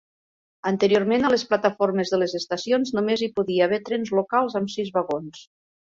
Anteriorment a les plataformes de les estacions només hi podia haver trens locals amb sis vagons.